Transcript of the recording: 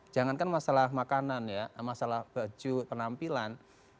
jangankan masalah makanan ya masalah baju penampilan